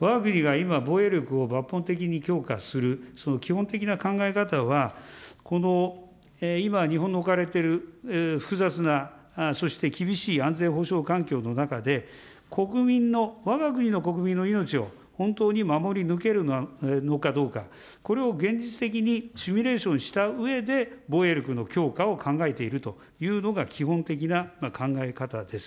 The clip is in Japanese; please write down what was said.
わが国が今、防衛力を抜本的に強化する、その基本的な考え方は、この、今、日本の置かれている複雑な、そして厳しい安全保障環境の中で、国民の、わが国の国民の命を本当に守り抜けるのかどうか、これを現実的にシミュレーションしたうえで、防衛力の強化を考えているというのが基本的な考え方です。